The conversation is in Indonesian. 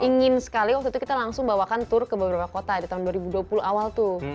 ingin sekali waktu itu kita langsung bawakan tur ke beberapa kota di tahun dua ribu dua puluh awal tuh